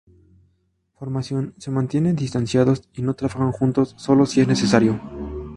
Formación: se mantienen distanciados y no trabajan juntos, solo si es necesario.